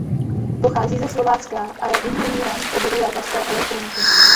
Pochází ze Slovácka a je inženýrem v oboru lékařské elektroniky.